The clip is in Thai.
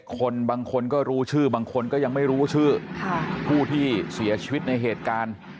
คนบางคนก็รู้ชื่อบางคนก็ยังไม่รู้ชื่อผู้ที่เสียชีวิตในเหตุการณ์